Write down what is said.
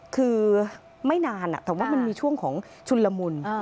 คือไม่นานแต่ว่ามันมีช่วงของชุนละมุน